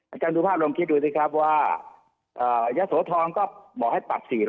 อาจารย์สุภาพลองคิดดูสิครับว่ายะโสธรก็บอกให้ปรับ๔๐๐